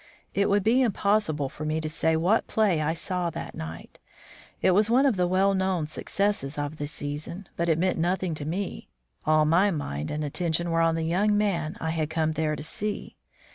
It would be impossible for me to say what play I saw that night. It was one of the well known successes of the season, but it meant nothing to me. All my mind and attention were on the young man I had come there to see.